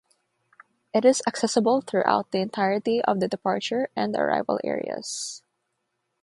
It is accessible throughout the entirety of the departure and arrival areas.